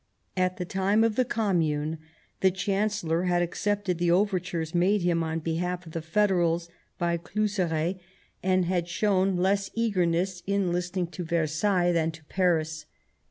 At the time of the Commune the Chancellor had accepted the overtures made him on behalf of the federals by Cluseret, and had shown less 178 The German Empire eagerness in listening to Versailles than to Paris.